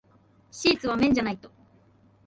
シーツは綿じゃないと。